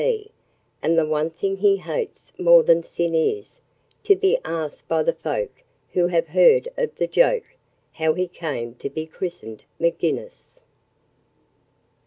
P., And the one thing he hates more than sin is To be asked by the folk, who have heard of the joke, How he came to be christened 'Maginnis'!